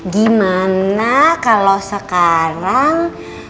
gimana kalau sekarang